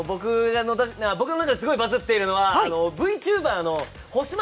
僕の中ですごいバズっているのはＶＴｕｂｅｒの星街